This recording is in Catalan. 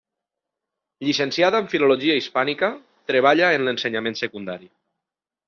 Llicenciada en filologia hispànica, treballa en l’ensenyament secundari.